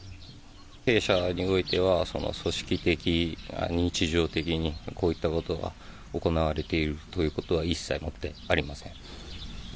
弊社においては、組織的、日常的にこういったことは行われているということは、一切をもってありません。